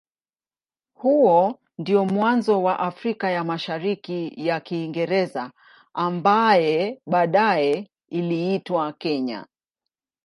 Huo ndio mwanzo wa Afrika ya Mashariki ya Kiingereza ambaye baadaye iliitwa Kenya.